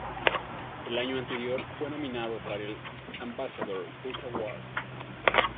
El año anterior fue nominado para el Ambassador Book Award.